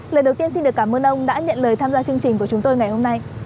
lời đầu tiên xin được cảm ơn ông đã nhận lời tham gia chương trình của chúng tôi ngày hôm nay